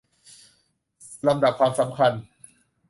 ลำดับความสำคัญ